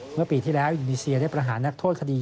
เมื่อปีที่แล้วอินโดนีเซียได้ประหารนักโทษคดี